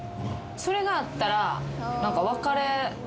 それがあったら。